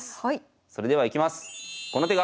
それではいきます！